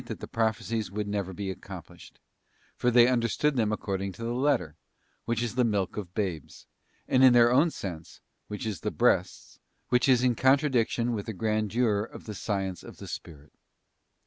137 that the prophecies would never be accomplished: for they understood them according to the letter, which is the milk of babes; and in their own sense, which is the ' breasts,' which is in contradiction with the grandeur of the science of the Spirit.